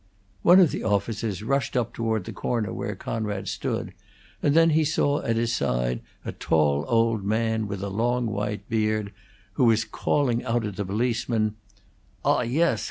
One of the officers rushed up toward the corner where Conrad stood, and then he saw at his side a tall, old man, with a long, white beard, who was calling out at the policemen: "Ah, yes!